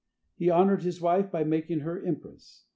He honored his wife by making her empress.